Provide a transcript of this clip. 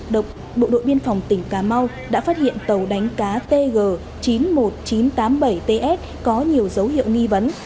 bộ đội biên phòng tỉnh cà mau đã phát hiện tàu đánh cá tg chín mươi một nghìn chín trăm tám mươi bảy ts có nhiều dấu hiệu nghi vấn